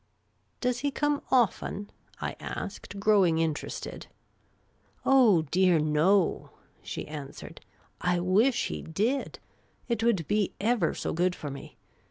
" Does he come often ?" I asked, growing interested. " Oh, dear, no," she answered. " I wish he did ; it would be ever .so good for me.